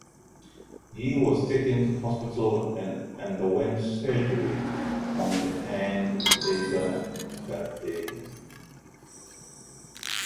He was taken to hospital and underwent surgery on the hand later that day.